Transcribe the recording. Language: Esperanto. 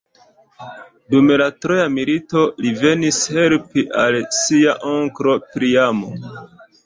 Dum la Troja milito li venis helpi al sia onklo Priamo.